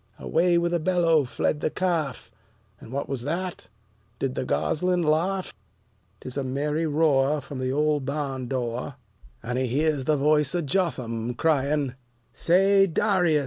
Away with a bellow fled the calf; And what was that? Did the gosling laugh? 'Tis a merry roar from the old barn door, And he hears the voice of Jotham crying, "Say, D'rius!